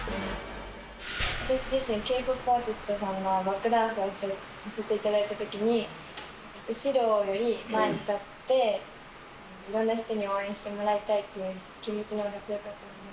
私自身、Ｋ−ＰＯＰアイドルさんのバックダンサーをさせていただいたときに、後ろより前に立って、いろんな人に応援してもらいたいという気持ちのほうが強かったので。